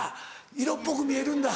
色っぽく見えるんだ。